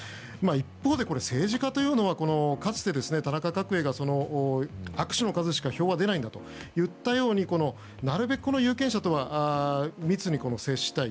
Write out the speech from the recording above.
一方で政治家というのはかつて、田中角栄が握手の数しか票は出ないんだと言ったようになるべく有権者とは密に接したい。